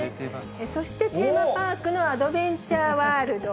そしてテーマパークのアドベンチャーワールド。